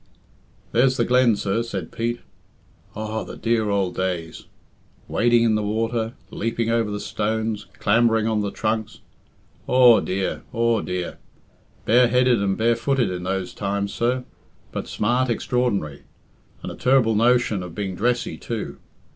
"There's the glen, sir," said Pete. "Aw, the dear ould days! Wading in the water, leaping over the stones, clambering on the trunks aw, dear! aw, dear! Bareheaded and barefooted in those times, sir; but smart extraordinary, and a terble notion of being dressy, too.